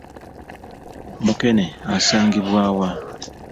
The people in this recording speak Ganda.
Mukene asangibwa wa?